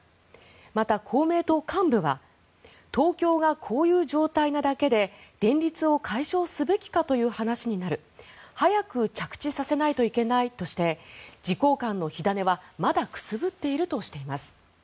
また、公明党幹部は東京がこういう状態なだけで連立を解消すべきかという話になる早く着地させないといけないとして自公間の火種はまだくすぶっているとしています。